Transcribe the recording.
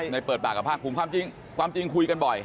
ในเปิดต่างกับภาพคุณความจริงคุยกันบ่อย